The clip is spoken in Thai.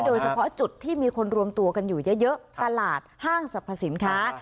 โดยเฉพาะจุดที่มีคนรวมตัวกันอยู่เยอะตลาดห้างสรรพสินค้า